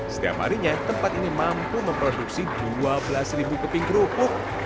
setiap harinya tempat ini mampu memproduksi dua belas keping kerupuk